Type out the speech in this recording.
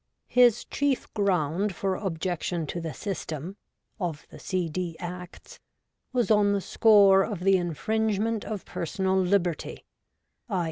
' His chief ground for objection to the system ' (of the CD. Acts) ' was on the score of the infringement of personal liberty' (i.